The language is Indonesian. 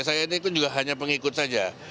saya ini kan juga hanya pengikut saja